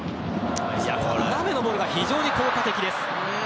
日本、斜めのボールが非常に効果的です。